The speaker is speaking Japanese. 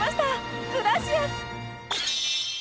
グラシアス！